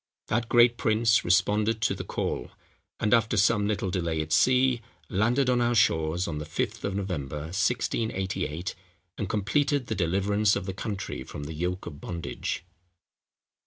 That great prince responded to the call, and, after some little delay at sea, landed on our shores on the Fifth of November, 1688, and completed the deliverance of the country from the yoke of bondage.